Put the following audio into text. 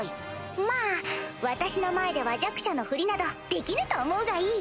まぁ私の前では弱者のフリなどできぬと思うがいい。